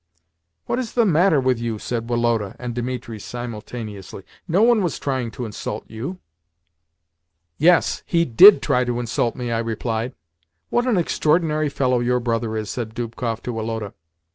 "What is the matter with you?" said Woloda and Dimitri simultaneously. "No one was trying to insult you." "Yes, he DID try to insult me!" I replied. "What an extraordinary fellow your brother is!" said Dubkoff to Woloda.